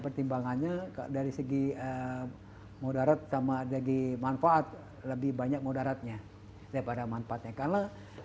pertimbangannya dari segi modarat sama segi manfaat lebih banyak modaratnya daripada manfaatnya kalau